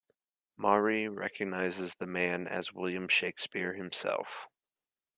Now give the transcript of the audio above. Maury recognizes the man as William Shakespeare himself.